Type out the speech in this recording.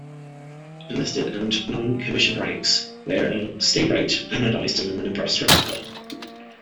Enlisted and non-commissioned ranks wear a "Stay-Brite" anodised aluminium brass replica.